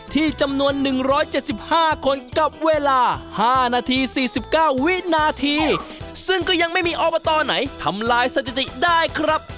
ที่จำนวนหนึ่งร้อยเจ็ดสิบห้าคนกับเวลาห้านาทีสี่สิบเก้าวินาทีซึ่งก็ยังไม่มีออบอตอไหนทำลายสถิติได้ครับ